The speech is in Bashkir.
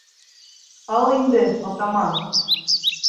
Ал инде, атаман.